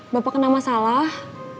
bapak kenapa salah